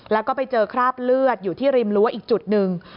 แล้วก็ไปเจอคราบเลือดอยู่ที่ริมรั้วอีกจุดหนึ่ง